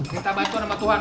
minta bantuan sama tuhan